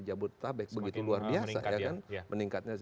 jabodetabek begitu luar biasa meningkatnya